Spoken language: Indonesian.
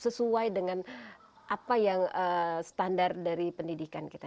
sesuai dengan apa yang standar dari pendidikan kita